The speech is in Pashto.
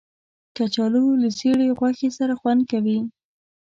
کچالو له زېړې غوښې سره خوند کوي